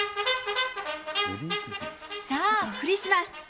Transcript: さあ、クリスマス。